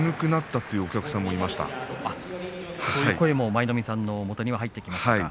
そういう声も舞の海さんのもとには入ってきましたか。